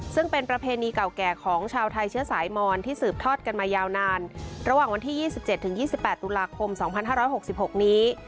ซึ่งเป็นประเพณีเก่าแก่ของชาวไทยเชื้อสายมอนที่สืบทอดกันมายาวนานระหว่างวันที่ยี่สิบเจ็ดถึงยี่สิบแปดตุลาคมสองพันห้าร้อยหกสิบหกนี้